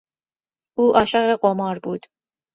او عاشق قمار بود.